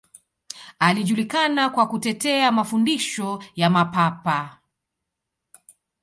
Alijulikana kwa kutetea mafundisho ya Mapapa.